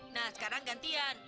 nah sekarang gantian